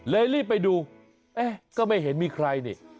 รีบไปดูเอ๊ะก็ไม่เห็นมีใครนี่